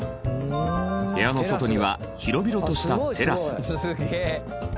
部屋の外には広々としたテラス。